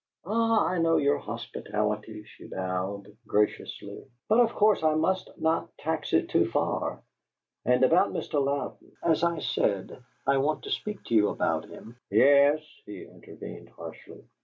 "Ah, I know your hospitality," she bowed, graciously. "But of course I must not tax it too far. And about Mr. Louden? As I said, I want to speak to you about him." "Yes," he intervened, harshly.